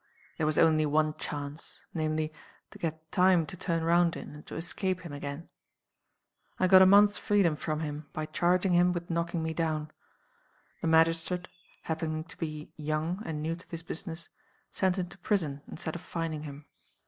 There was only one chance namely, to get time to turn round in, and to escape him again. I got a month's freedom from him, by charging him with knocking me down. The magistrate (happening to be young, and new to his business) sent him to prison, instead of fining him.